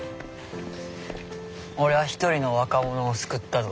俺は一人の若者を救ったぞ。